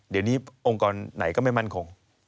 เดี๋ยวนี้องค์กรไหนก็ไม่มั่นคง